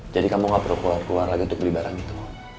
jadi kamu gak perlu keluar keluar lagi untuk beli barang itu